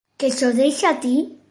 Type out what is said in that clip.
Que cho deixe a ti?